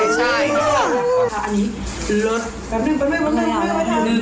๑ปั๊บเม้ง